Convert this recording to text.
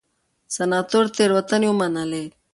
سناتور تېروتنې ومنلې.